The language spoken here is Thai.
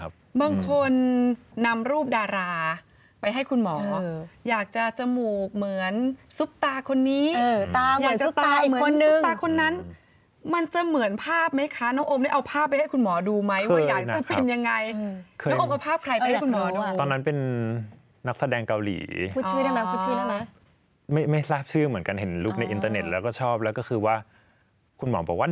เหมือนซุปตาคนนี้เออตาเหมือนซุปตาอีกคนนึงซุปตาคนนั้นมันจะเหมือนภาพไหมคะน้องอมได้เอาภาพไปให้คุณหมอดูไหมว่าอยากจะเป็นยังไงคือน้องอมเอาภาพใครไปให้คุณหมอดูตอนนั้นเป็นนักแสดงเกาหลีพูดชื่อได้มั้ยพูดชื่อได้มั้ยไม่ไม่ทราบชื่อเหมือนกันเห็นรูปในอินเตอร์เน็ตแล้วก็ชอบแล้วก็คือว่าคุณ